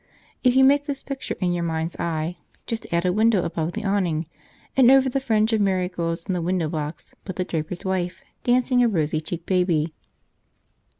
If you make this picture in your mind's eye, just add a window above the awning, and over the fringe of marigolds in the window box put the draper's wife dancing a rosy cheeked baby.